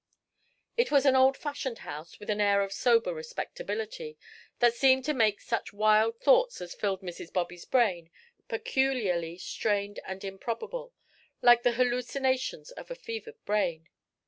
It was an old fashioned house with an air of sober respectability, that seemed to make such wild thoughts as filled Mrs. Bobby's brain peculiarly strained and improbable, like the hallucinations of a fevered brain.